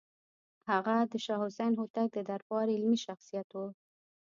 هغه د شاه حسین هوتک د دربار علمي شخصیت و.